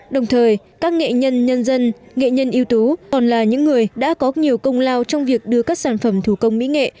đồng thời các nghệ nhân nhân dân nghệ nhân yếu tố còn là những người đã có nhiều công lao trong việc đưa các sản phẩm thủ công mỹ nghệ